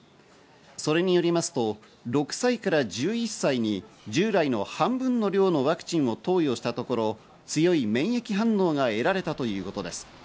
それによりますと６歳から１１歳に従来の半分の量のワクチンを投与したところ、強い免疫反応が得られたということです。